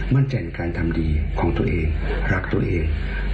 มั่นใจในการทำดีของตัวเองรักตัวเอง